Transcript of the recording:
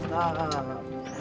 terus ibu gimana